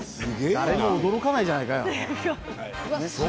誰も驚かないじゃない。